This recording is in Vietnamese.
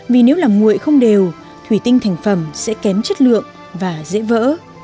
vì nếu làm nguội không đều thủy tinh thành phẩm sẽ kém chất lượng và dễ vỡ